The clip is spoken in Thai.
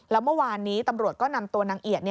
แล้วเมื่อวานนี้ตำรวจก็นำตัวนางเอียด